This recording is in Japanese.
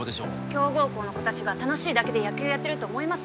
強豪校の子たちが楽しいだけで野球やってると思います？